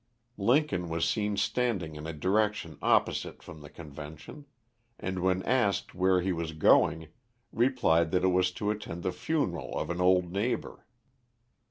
Lincoln was seen standing in a direction opposite from the convention; and when asked where he was going, replied that it was to attend the funeral of an old neighbor.